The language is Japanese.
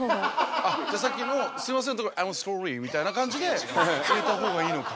あっじゃあさっきの「すいません」とこ「アイムソーリー」みたいな感じで入れた方がいいのか。